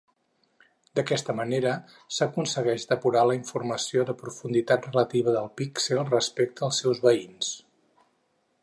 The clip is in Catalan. D'aquesta manera s'aconsegueix depurar la informació de profunditat relativa del píxel respecte als seus veïns.